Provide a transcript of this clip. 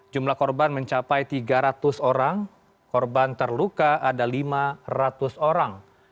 jumlah korban mencapai tiga ratus orang korban terluka ada lima ratus orang